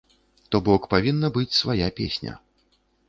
То бок павінна быць свая песня.